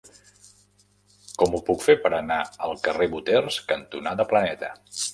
Com ho puc fer per anar al carrer Boters cantonada Planeta?